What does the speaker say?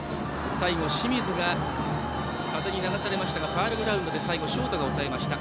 最後、清水が風に流されましたがファウルグラウンドでショートが押さえました。